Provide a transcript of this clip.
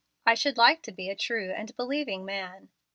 I should like to be a true and believing man."